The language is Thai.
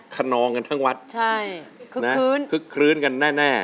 คนนองกันทั้งวัดคึกคลื้นกันแน่นะครับใช่คึกคลื้น